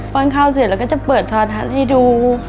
้อนข้าวเสร็จเราก็จะเปิดโทรทัศน์ให้ดู